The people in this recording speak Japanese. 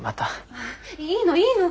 ああいいのいいの。